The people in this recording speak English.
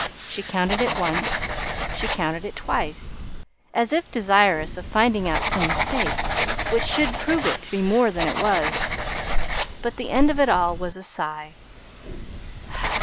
She counted it once she counted it twice, as if desirous of finding out some mistake which should prove it to be more than it was; but the end of it all was a sigh.